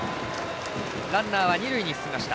ランナーは二塁に進みました。